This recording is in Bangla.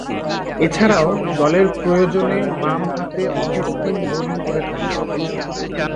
এছাড়াও, দলের প্রয়োজনে বামহাতে অফ স্পিন বোলিং করে থাকেন।